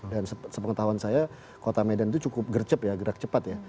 dan sepengetahuan saya kota medan itu cukup gercep ya gerak cepat ya